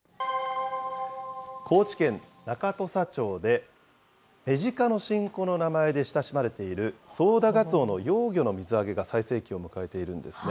高知県中土佐町で、メジカの新子の名前で親しまれているソウダガツオの幼魚の水揚げが最盛期を迎えているんですね。